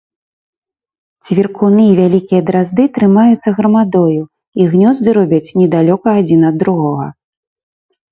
Цвіркуны і вялікія дразды трымаюцца грамадою і гнёзды робяць недалёка адзін ад другога.